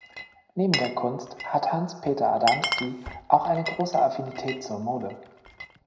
Neben der Kunst hat Hans Peter Adamski auch eine große Affinität zur Mode.